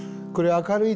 ・明るい。